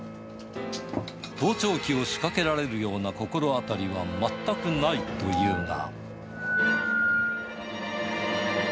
盗聴器を仕掛けられるような心当たりは全くないというが。